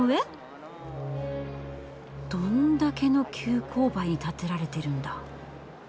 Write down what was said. どんだけの急勾配に建てられてるんだ。